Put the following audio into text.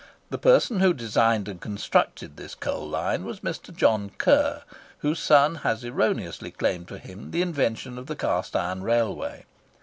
The person who designed and constructed this coal line was Mr. John Curr, whose son has erroneously claimed for him the invention of the cast iron railway.